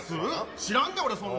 知らんで俺、そんな。